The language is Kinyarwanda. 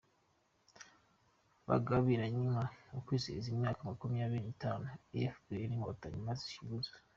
Bagabiranye inka mu kwizihiza imyaka makumyabiri nitanu efuperi Inkotanyi imaze ivutse